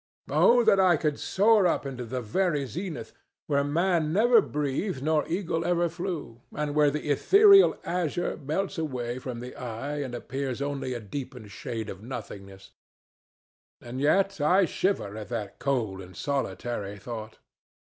Oh that I could soar up into the very zenith, where man never breathed nor eagle ever flew, and where the ethereal azure melts away from the eye and appears only a deepened shade of nothingness! And yet I shiver at that cold and solitary thought.